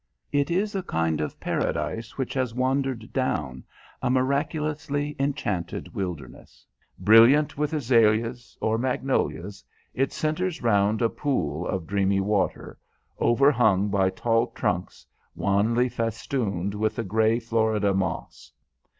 It is a kind of paradise which has wandered down, a miraculously enchanted wilderness. Brilliant with azaleas, or magnolias, it centres round a pool of dreamy water, overhung by tall trunks wanly festooned with the grey Florida moss.